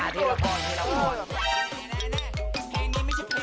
อันนี้สุดยอด